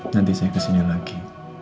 nanti saya kesini lagi